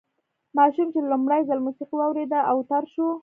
ماشوم چې لومړی ځل موسیقي واورېده اوتر شو